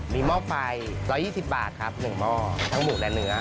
มีหม้อไฟ๑๒๐บาทครับ๑หม้อทั้งหมูและเนื้อ